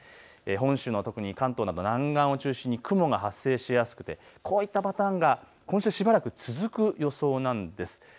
本州の特に関東の南岸を中心に雲が発生しやすくてこういったパターンが今週は続く予想です。